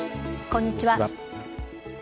こんにちは。